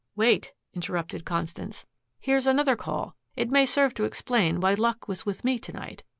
"Wait," interrupted Constance. "Here's another call. It may serve to explain why luck was with me to night.